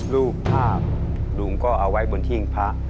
รูปภาพลุงก็เอาไว้บนหิ้งพระ